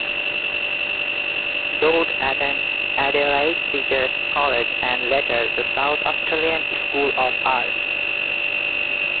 Dodd attended Adelaide Teachers College and later the South Australian School of Art.